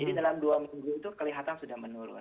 jadi dalam dua minggu itu kelihatan sudah menurun